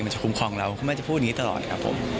จะคุ้มครองเราคุณแม่จะพูดอย่างนี้ตลอดครับผม